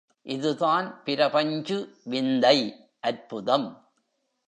இதுதான் பிரபஞ்சு விந்தை அற்புதம்!